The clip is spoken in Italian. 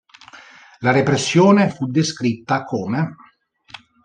La repressione fu descritta come